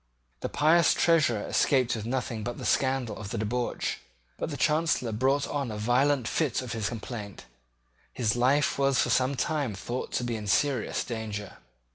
The pious Treasurer escaped with nothing but the scandal of the debauch: but the Chancellor brought on a violent fit of his complaint. His life was for some time thought to be in serious danger.